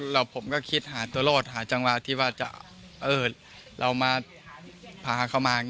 แล้วผมก็คิดหาตัวรอดหาจังหวะที่ว่าจะเรามาพาเขามา